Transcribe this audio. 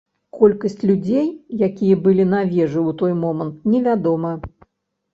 Колькасць людзей, якія былі на вежы ў той момант, невядома.